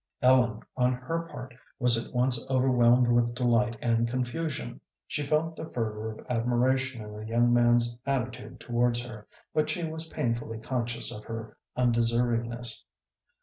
Ellen on her part was at once overwhelmed with delight and confusion. She felt the fervor of admiration in the young man's attitude towards her, but she was painfully conscious of her undeservingness.